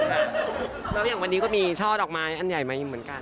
แล้วอย่างวันนี้ก็มีช่อดอกไม้อันใหญ่มาอยู่เหมือนกัน